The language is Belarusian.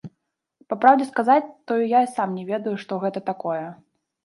Па праўдзе сказаць, то і я сам не ведаю, што гэта такое.